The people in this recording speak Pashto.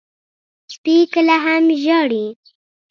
سپي کله هم ژاړي.